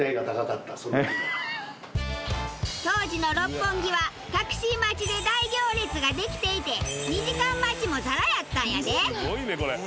当時の六本木はタクシー待ちで大行列ができていて２時間待ちもざらやったんやで。